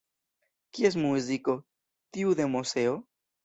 Kies muziko, tiu de Moseo?